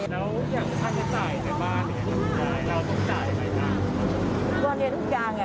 ทุกอย่างค่าใช้จ่ายในบ้านเนี่ยทุกอย่างเราต้องจ่ายไหมครับ